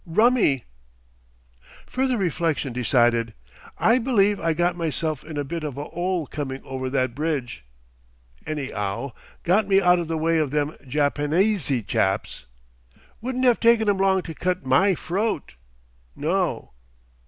rummy!" Further reflection decided, "I believe I got myself in a bit of a 'ole coming over that bridge.... "Any'ow got me out of the way of them Japanesy chaps. Wouldn't 'ave taken 'em long to cut MY froat. No.